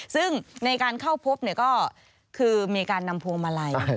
ซึ่งในการเข้าพบก็คือมีการนำพวงมาลัย